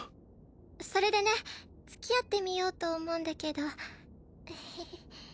それでね付き合ってみようと思うんだけど